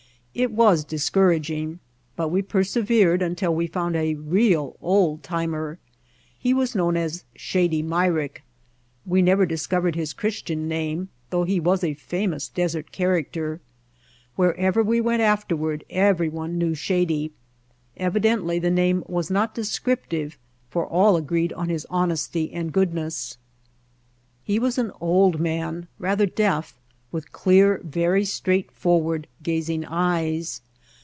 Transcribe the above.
It was discouraging, but we persevered until we found a real old timer. He was known as Shady Myrick. We never discovered his Christian name though he was a famous desert character. Wherever we went afterward every White Heart of Mojave one knew Shady. Evidently the name was not descriptive for all agreed on his honesty and goodness. He was an old man, rather deaf, with clear, very straightforward gazing eyes.